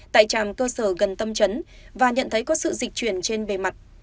tại trạm cơ sở gần tâm trấn và nhận thấy có sự dịch chuyển trên bề mặt